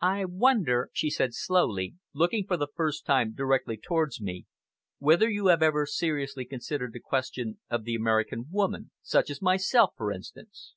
"I wonder," she said slowly, looking for the first time directly towards me, "whether you have ever seriously considered the question of the American woman such as myself, for instance!"